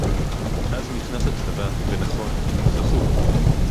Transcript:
אז נכנס הצבא, ונכון, הם זכו